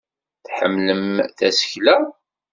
Tḥemmlem tasekla?